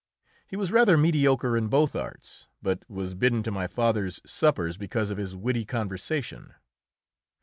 He was rather mediocre in both arts, but was bidden to my father's suppers because of his witty conversation.